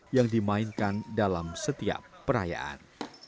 yang dimainkan dalam setiap perayaan